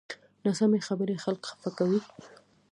ناسمې خبرې خلک خفه کوي